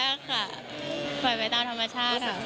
บอกไปตามธรรมชาติ